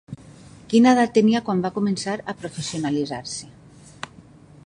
Quina edat tenia quan va començar a professionalitzar-se.